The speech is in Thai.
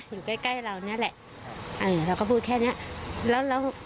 อยู่ใกล้ใกล้เราเนี้ยแหละเออเราก็พูดแค่เนี้ยแล้วแล้ว